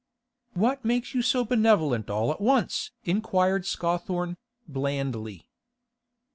'What makes you so benevolent all at once?' inquired Scawthorne, blandly.